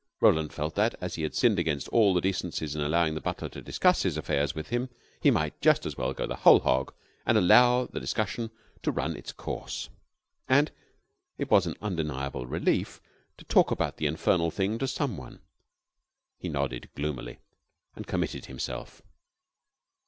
Roland felt that, as he had sinned against all the decencies in allowing the butler to discuss his affairs with him, he might just as well go the whole hog and allow the discussion to run its course. And it was an undeniable relief to talk about the infernal thing to some one. He nodded gloomily, and committed himself.